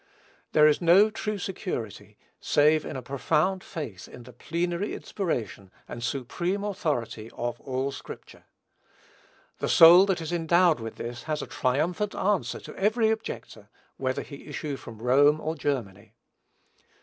There is no true security, save in a profound faith in the plenary inspiration and supreme authority of "ALL SCRIPTURE." The soul that is endowed with this has a triumphant answer to every objector, whether he issue from Rome or Germany.